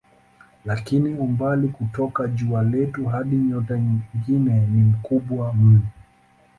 Lakini umbali kutoka jua letu hadi nyota nyingine ni mkubwa mno.